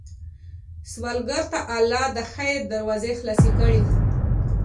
سوالګر ته الله د خیر دروازې خلاصې کړې